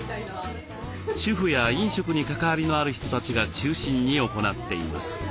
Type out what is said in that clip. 主婦や飲食に関わりのある人たちが中心に行っています。